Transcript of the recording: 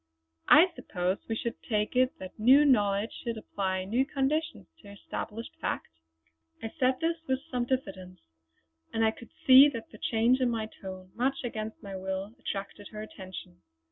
"I suppose we should take it that new knowledge should apply new conditions to established fact?" I said this with some diffidence; and I could see that the change in my tone, much against my will, attracted her attention.